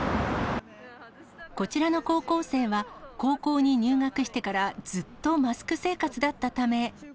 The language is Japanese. こちらの高校生は、高校に入学してからずっとマスク生活だったため。